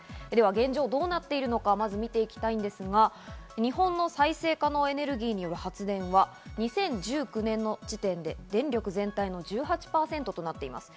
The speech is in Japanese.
現状どうなってるのか見ていきたいんですが、日本の再生可能エネルギーによる発電は２０１９年の時点で電力全体の１８％となっています。